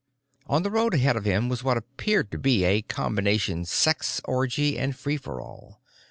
On the road ahead of him was what appeared to be a combination sex orgy and free for all.